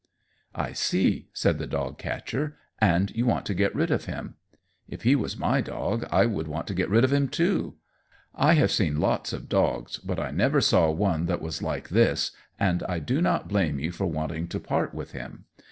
"I see!" said the dog catcher. "And you want to get rid of him. If he was my dog, I would want to get rid of him, too. I have seen lots of dogs, but I never saw one that was like this, and I do not blame you for wanting to part with him.